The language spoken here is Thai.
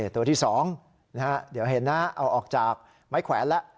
ตัวที่๒เดี๋ยวเห็นนะเอาออกจากไม้แขวนแล้ว